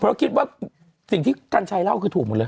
เพราะคิดว่าสิ่งที่กัญชัยเล่าคือถูกหมดเลย